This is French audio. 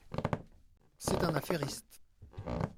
C’est un affairiste.